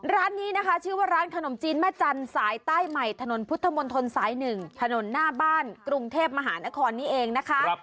ร้านนี้นะคะชื่อว่าร้านขนมจีนแม่จันทร์สายใต้ใหม่ถนนพุทธมนตรสาย๑ถนนหน้าบ้านกรุงเทพมหานครนี้เองนะคะ